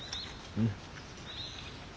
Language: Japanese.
うん。